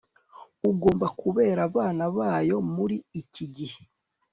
ugomba kubera abana bayo muri iki gihe